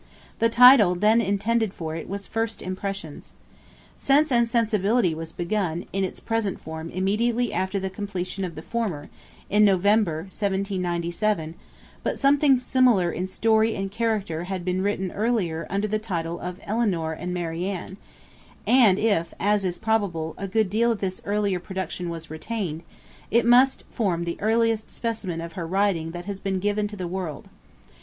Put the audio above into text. The title then intended for it was 'First Impressions.' 'Sense and Sensibility' was begun, in its present form, immediately after the completion of the former, in November 1797 but something similar in story and character had been written earlier under the title of 'Elinor and Marianne;' and if, as is probable, a good deal of this earlier production was retained, it must form the earliest specimen of her writing that has been given to the world.